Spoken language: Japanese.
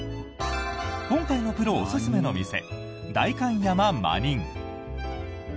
今回のプロおすすめの店代官山間人。